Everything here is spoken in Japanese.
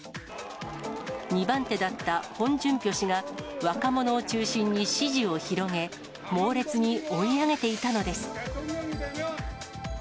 ２番手だったホン・ジュンピョ氏が、若者を中心に支持を広げ、猛烈に追い上げていたのです。